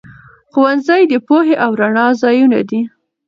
ښوونځي د پوهې او رڼا ځايونه دي.